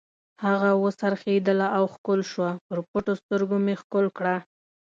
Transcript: هغه و څرخېدله او ښکل شوه، پر پټو سترګو مې ښکل کړه.